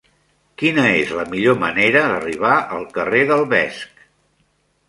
Quina és la millor manera d'arribar al carrer del Vesc?